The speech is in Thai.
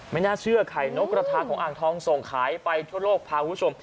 ไม่น่าเชื่อไข่นกกระทะของอ่างทองส่งขายไปทั่วโลกพาคุณผู้ชม